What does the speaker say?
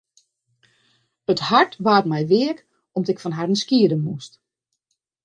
It hart waard my weak om't ik fan harren skiede moast.